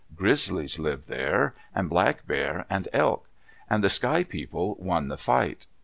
Grizzlies lived there, and Black Bear and Elk. And the Sky People won the fight.